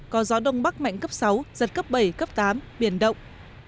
có gió đông bắc mạnh cấp sáu giật cấp bảy cấp tám biển động